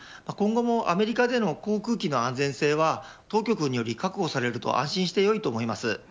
今後もアメリカでの航空機の安全性は当局により確保されると安心してよいと思います。